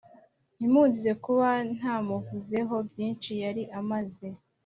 ntimunzize kuba ntamuvuzeho byinshi yari amaze